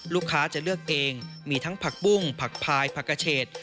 ลูกค้าจะเลือกเองมีทั้งผักปุ้งผักพายผักกระเชษ